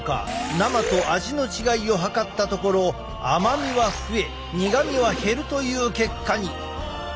生と味の違いを測ったところ甘みは増え苦みは減るという結果に！